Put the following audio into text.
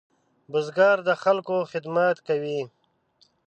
بزګر د خلکو خدمت کوي